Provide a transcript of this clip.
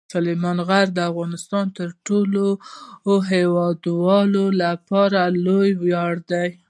سلیمان غر د افغانستان د ټولو هیوادوالو لپاره لوی ویاړ دی.